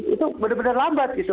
itu benar benar lambat